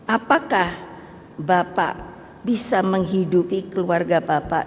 apakah bapak bisa menghidupi keluarga bapak